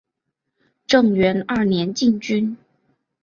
正元二年进军。